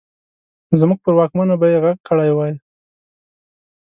نو زموږ پر واکمنو به يې غږ کړی وای.